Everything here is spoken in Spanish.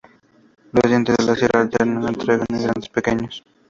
Los dientes de la sierra alternan entre grandes y pequeños.